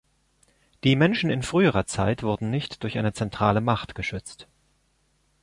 Die Menschen in früherer Zeit wurden nicht durch eine zentrale Macht geschützt.